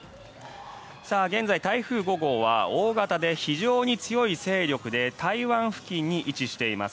現在、台風５号は大型で非常に強い勢力で台湾付近に位置しています。